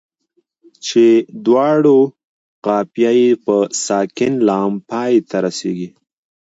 چې دواړو قافیه یې په ساکن لام پای ته رسيږي.